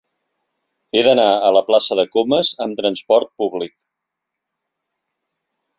He d'anar a la plaça de Comas amb trasport públic.